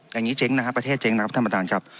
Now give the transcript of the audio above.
อย่างงี้เจ๊งนะฮะประเทศเจ๊งนะครับธรรมดาลครับ